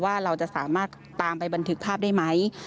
ว่าเราจะสามารถตามไปบันทึกภาพได้ไหม